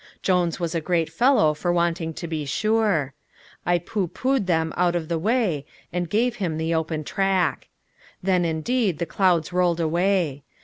Jones was a great fellow for wanting to be sure. I pooh poohed them out of the way and gave him the open track. Then, indeed, the clouds rolled away.